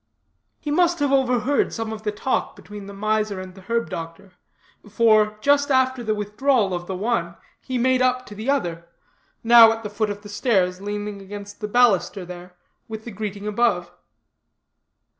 He must have overheard some of the talk between the miser and the herb doctor; for, just after the withdrawal of the one, he made up to the other now at the foot of the stairs leaning against the baluster there with the greeting above.